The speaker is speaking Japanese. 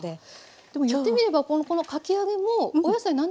でも言ってみればこのかき揚げもお野菜何でもいいんですよね？